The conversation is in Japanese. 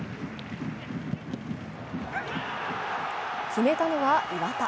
決めたのは岩田。